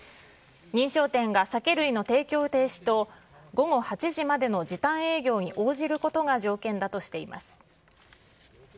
認証店が酒類の提供停止と午後８時までの時短営業に応じることが条件だとしています。